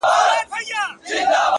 • لکه چي مخکي وې هغسي خو جانانه نه يې؛